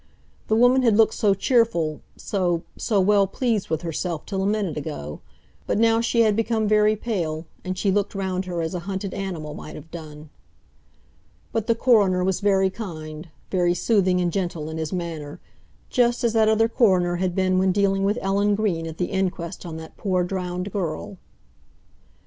The woman had looked so cheerful, so—so well pleased with herself till a minute ago, but now she had become very pale, and she looked round her as a hunted animal might have done. But the coroner was very kind, very soothing and gentle in his manner, just as that other coroner had been when dealing with Ellen Green at the inquest on that poor drowned girl.